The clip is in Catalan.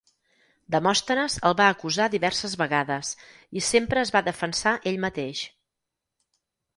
Demòstenes el va acusar diverses vegades i sempre es va defensar ell mateix.